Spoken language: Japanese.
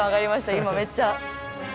今めっちゃ。